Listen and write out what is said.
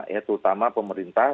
ya terutama pemerintah